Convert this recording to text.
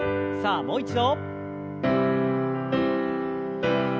さあもう一度。